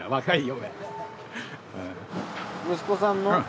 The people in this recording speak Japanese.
息子さんの？